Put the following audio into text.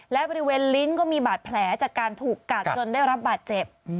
และบริเวณลิ้นก็มีบาดแผลจากการถูกกัดจนได้รับบาดเจ็บ